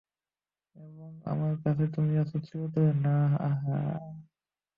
এবং আমার কাছে তুমি আছো চিরতরে না আহ, হা।